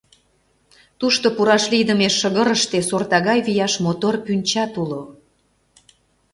Тушто, пураш лийдыме шыгырыште, сорта гай вияш мотор пӱнчат уло.